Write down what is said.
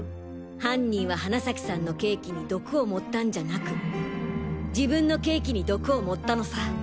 犯人は花崎さんのケーキに毒を盛ったんじゃなく自分のケーキに毒を盛ったのさ。